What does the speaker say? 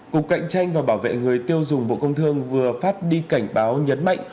cục cạnh tranh và bảo vệ người tiêu dùng bộ công thương vừa phát đi cảnh báo nhấn mạnh